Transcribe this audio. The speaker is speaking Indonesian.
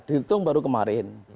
dihitung baru kemarin